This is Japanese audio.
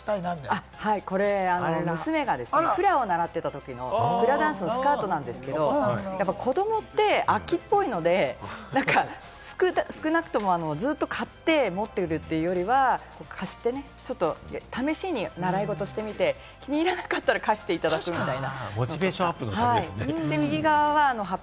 これ娘がフラを習っていた時のフラダンスのスカートなんですが、子供って飽きっぽいので、少なくとも、買ってずっと持っているというよりは、試しに習い事をしてみて、気に入らなかったら貸してみたいな。